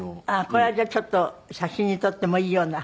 これはじゃあちょっと写真に撮ってもいいような。